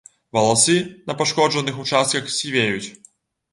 Валасы на пашкоджаных участках сівеюць.